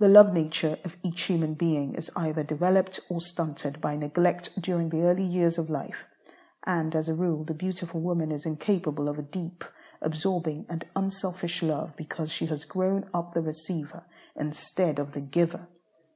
The love nature of each human being is either developed or stunted by neglect during the early years of life, and, as a rule, the beautiful woman is incapable of a deep, absorbing, and unselfish love, because she has grown up the receiver instead of the giver.